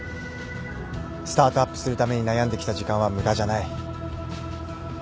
スタートアップするために悩んできた時間は無駄じゃない。